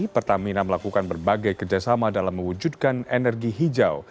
pertamina melakukan berbagai kerjasama dalam mewujudkan energi hijau